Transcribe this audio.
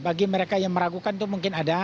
bagi mereka yang meragukan itu mungkin ada